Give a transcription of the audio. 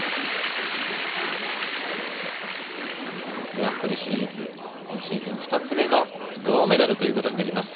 グランプリシリーズ今シーズン２つ目の銅メダルということになります